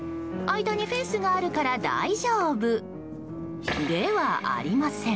間にフェンスがあるから大丈夫ではありません！